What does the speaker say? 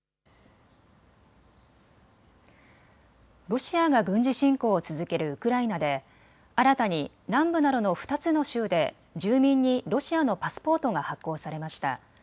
ロシアが軍事侵攻を続けるウクライナで新たに南部などの２つの州で住民にロシアのパスポートが発行されました。